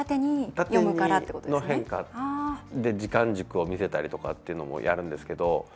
縦の変化で時間軸を見せたりとかっていうのもやるんですけど。